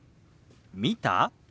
「見た？」。